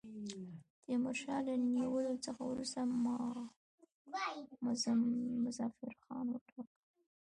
تیمورشاه له نیولو څخه وروسته مظفرخان وټاکی.